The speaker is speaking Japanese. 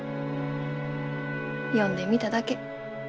呼んでみただけ。